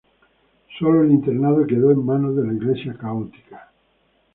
Sólo el internado quedó en manos de la iglesia católica.